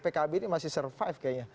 pkb ini masih survive kayaknya